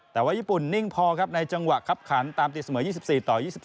แต่ว่าญี่ปุ่นนิ่งพอครับในจังหวะคับขันตามตีเสมอ๒๔ต่อ๒๑